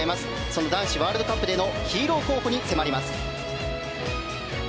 その男子ワールドカップでのヒーロー候補に迫ります。